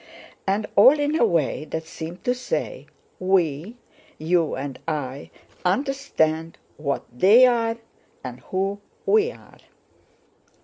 and all in a way that seemed to say: "We, you and I, understand what they are and who we are."